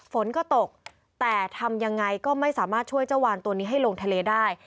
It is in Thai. ฝนก็ตกแต่ทำยังไงก็ไม่สามารถช่วยเจ้าวานตัวนี้ให้ลงทะเลได้